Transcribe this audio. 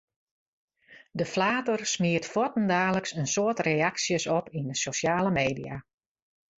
De flater smiet fuortendaliks in soad reaksjes op yn de sosjale media.